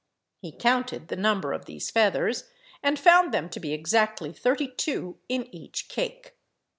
He counted the number of these feathers, and found them to be exactly thirty two in each cake.